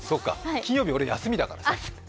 金曜日俺休みだから。